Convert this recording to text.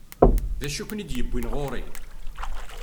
D acu i ken-id-yewwin ɣur-i?